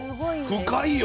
深いよ。